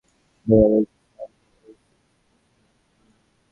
আনন্দময়ীর ভাবগতিক দেখিয়া গোড়াতেই যে তাঁহার ভালো লাগে নাই সে কথাও তিনি স্মরণ করিলেন।